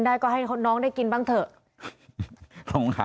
และก็คือว่าถึงแม้วันนี้จะพบรอยเท้าเสียแป้งจริงไหม